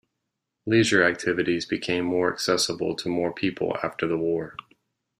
Leisure activities became more accessible to more people after the war.